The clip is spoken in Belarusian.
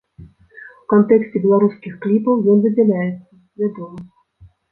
У кантэксце беларускіх кліпаў ён выдзяляецца, вядома.